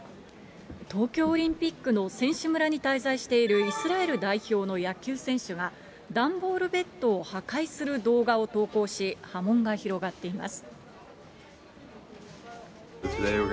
東京オリンピックの選手村に滞在しているイスラエル代表の野球選手が、段ボールベッドを破壊する動画を投稿し、波紋が広がっています。